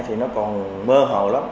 thì nó còn mơ hồ lắm